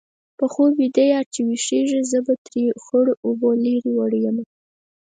په خوب ویده یار چې ويښېږي-زه به ترې خړو اوبو لرې وړې یمه